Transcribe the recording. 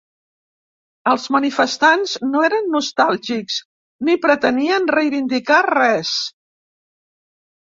Els manifestants no eren nostàlgics ni pretenien reivindicar res.